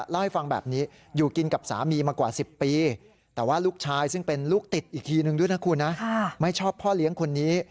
ลูกชายซึ่งเป็นลูกติดอีกทีดูด้วยนะครับคุณนะไม่ชอบพ่อเลี้ยงคนนี้